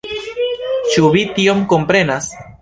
Ĉu vi tion komprenas?